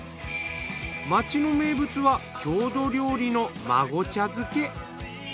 町の名物は郷土料理のまご茶漬け。